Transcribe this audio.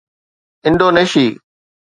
انڊونيشي